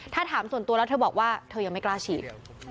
ถ้าถามส่วนตัวแล้วเธอบอกว่าเธอยังไม่กล้าฉีด